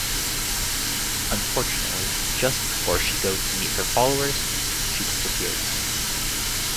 Unfortunately, just before she goes to meet her followers, she disappears.